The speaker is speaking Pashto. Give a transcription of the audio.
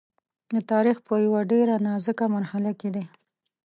د تاریخ په یوه ډېره نازکه مرحله کې دی.